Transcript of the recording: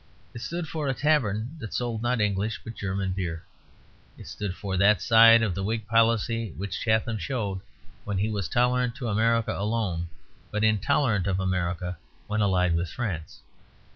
It stood for a tavern that sold not English but German beer. It stood for that side of the Whig policy which Chatham showed when he was tolerant to America alone, but intolerant of America when allied with France.